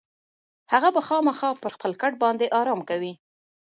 هغه به خامخا پر خپل کټ باندې ارام کوي.